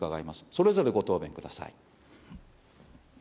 それぞれご答弁ください。